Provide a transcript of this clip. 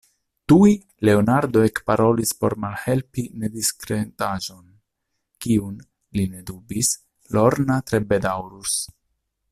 Tuj Leonardo ekparolis por malhelpi nediskretaĵon, kiun, li ne dubis, Lorna tre bedaŭrus: